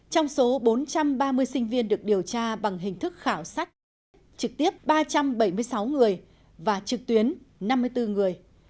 trong số bốn trăm ba mươi sinh viên được điều tra bằng hình thức khảo sát trực tiếp trực tiếp ba trăm bảy mươi sáu người và trực tuyến năm mươi bốn người